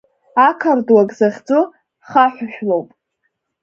Ақардуаг захьӡу, хаҳәжәлоуп.